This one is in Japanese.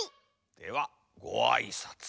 ではごあいさつ。